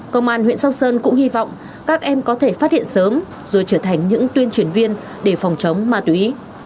công an huyện sóc sơn cũng hy vọng các em có thể phát hiện sớm rồi trở thành những tuyên truyền viên để phòng chống ma túy